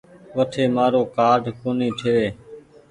وٺي مآرو ڪآرڊ ڪونيٚ ٺيوي۔